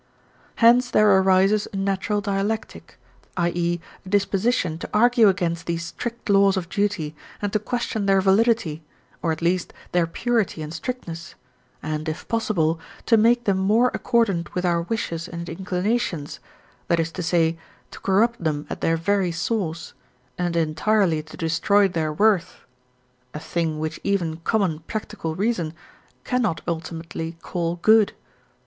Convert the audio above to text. Hence there arises a natural dialectic, i.e., a disposition, to argue against these strict laws of duty and to question their validity, or at least their purity and strictness; and, if possible, to make them more accordant with our wishes and inclinations, that is to say, to corrupt them at their very source, and entirely to destroy their worth a thing which even common practical reason cannot ultimately call good.